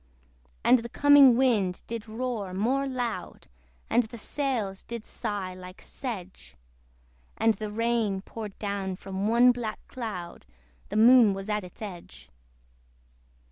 And the coming wind did roar more loud, And the sails did sigh like sedge; And the rain poured down from one black cloud; The Moon was at its edge.